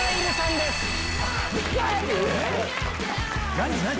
何？